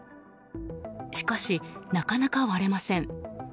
しかし、なかなか割れません。